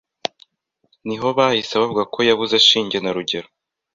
Niho bahise bavuga bati Yabuze Shinge na Rugero